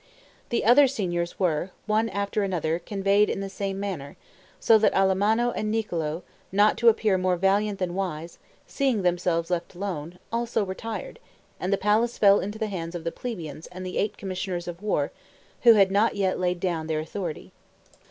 The other Signors were, one after another, conveyed in the same manner, so that Alamanno and Niccolo, not to appear more valiant than wise, seeing themselves left alone, also retired, and the palace fell into the hands of the plebeians and the Eight Commissioners of War, who had not yet laid down their authority.